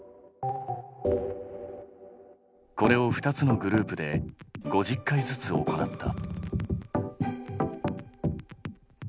これを２つのグループで５０回ずつ行った。